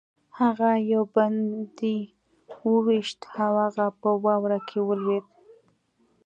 هغه یو بندي وویشت او هغه په واوره کې ولوېد